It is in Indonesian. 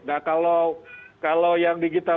nah kalau yang digital